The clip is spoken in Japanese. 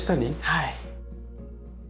はい。